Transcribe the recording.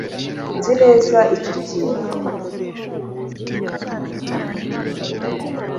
nzi neza icyo kintu